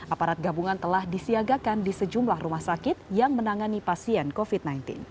aparat gabungan telah disiagakan di sejumlah rumah sakit yang menangani pasien covid sembilan belas